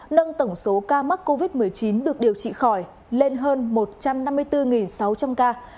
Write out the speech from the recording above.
nâng tổng số ca mắc covid một mươi chín được điều trị khỏi lên hơn một trăm năm mươi bốn sáu trăm linh ca